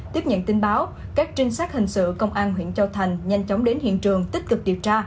tiếp nhận tin báo các trinh sát hình sự công an huyện châu thành nhanh chóng đến hiện trường tích cực điều tra